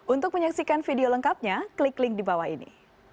untuk menyaksikan video lengkapnya klik link di bawah ini